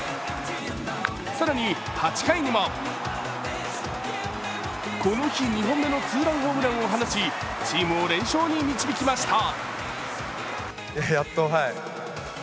更に８回にもこの日２本目のツーランホームランを放ちチームを連勝に導きました。